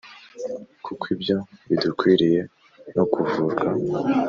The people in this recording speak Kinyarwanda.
Kukw ibyo bidukwiriye no kuvurwa